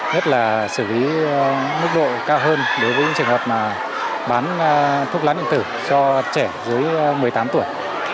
nhất là xử lý mức độ cao hơn đối với những trường hợp mà bán thuốc lá điện tử cho trẻ dưới một mươi tám tuổi